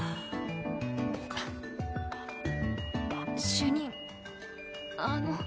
主任あの。